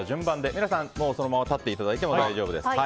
皆さんそのまま立っていただいても大丈夫です。